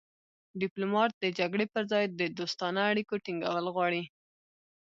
ډیپلومات د جګړې پر ځای د دوستانه اړیکو ټینګول غواړي